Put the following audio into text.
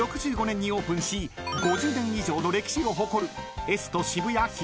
［５０年以上の歴史を誇る］